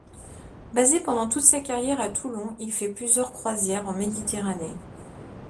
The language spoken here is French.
Basé pendant toute sa carrière à Toulon, il fait plusieurs croisières en Méditerranée.